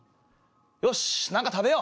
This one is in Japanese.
よし！